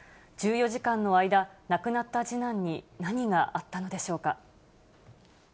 １４時間の間、亡くなった次男に何があったのでしょうか。